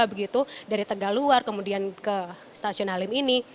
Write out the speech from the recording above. begitu dari tegaluar kemudian ke stasiun halim ini